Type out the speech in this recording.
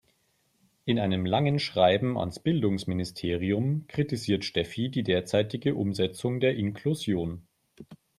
In einem langen Schreiben ans Bildungsministerium kritisiert Steffi die derzeitige Umsetzung der Inklusion.